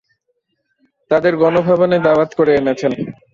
তাঁদের গণভবনে দাওয়াত করে এনেছেন।